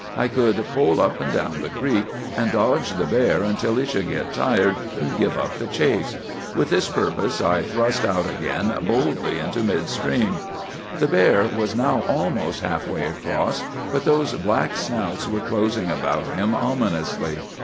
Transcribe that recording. I could pole up and down the creek, and dodge the bear until he should get tired and give up the chase. With this purpose I thrust out again boldly into mid stream. "The bear was now almost half way across, but those black snouts were closing about him ominously.